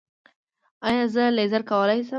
ایا زه لیزر کولی شم؟